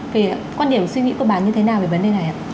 vậy quan điểm suy nghĩ của bà như thế nào về vấn đề này